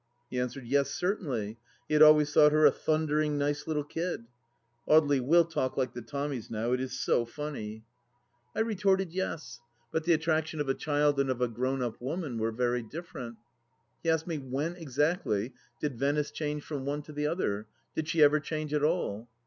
He answered, Yes, certainly ; he had always thought her a thundering nice little kid — ^Audely will talk like the Tommies now, it is so funny 1 298 THE LAST DITCH I retorted, Tes ; but the attraction of a child and of a grown up woman were very different. He asked me when exactly did Venice change from one to the other ?— did she ever change at all